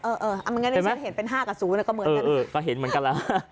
เออเอออ่ะไม่งั้นฉันเห็นเป็นห้ากับศูนย์แล้วก็เหมือนกันเออเออก็เห็นเหมือนกันแล้ว